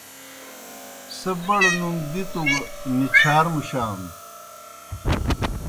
سہ بڑوْ نُوم دِتوْ گہ نِچھار مُشانوْ۔